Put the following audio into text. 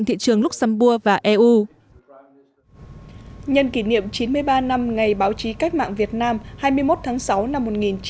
thị trường luxembourg và eu nhân kỷ niệm chín mươi ba năm ngày báo chí cách mạng việt nam hai mươi một tháng sáu năm